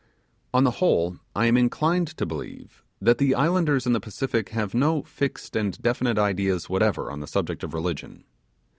On the whole, I am inclined to believe, that the islanders in the Pacific have no fixed and definite ideas whatever on the subject of religion.